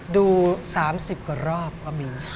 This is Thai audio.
ดู๓๐กว่ารอบก็มี